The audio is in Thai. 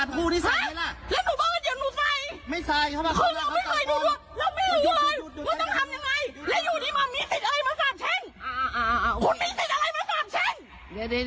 แล้วอยู่ที่มีสิทธิ์อะไรมาสาคน